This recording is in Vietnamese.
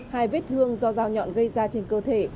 hai vết thương do dao nhọn gây ra trên cơ thể